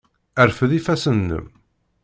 Rfed ifassen-nnem!